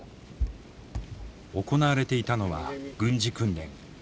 行われていたのは軍事訓練。